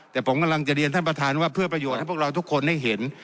แต่ผมกำลังจะเรียนท่านประธานว่าเพื่อประโยชน์ให้พวกเราทุกคนได้เห็น